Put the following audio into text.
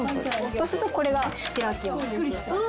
そうするとこれが開きます。